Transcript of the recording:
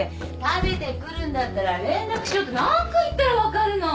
食べてくるんだったら連絡しろって何回言ったら分かるの？